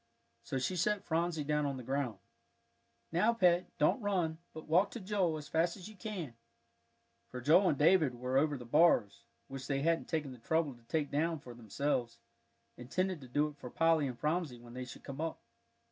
So she set Phronsie down on the ground. "Now, Pet, don't run, but walk to Joel as fast as you can," for Joel and David were over the bars, which they hadn't taken the trouble to take down for themselves, intending to do it for Polly and Phronsie when they should come up.